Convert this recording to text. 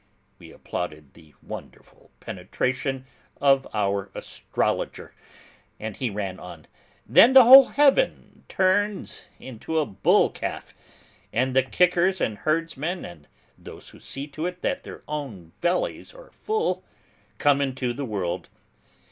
We applauded the wonderful penetration of our astrologer and he ran on, "Then the whole heaven turns into a bull calf and the kickers and herdsmen and those who see to it that their own bellies are full, come into the world.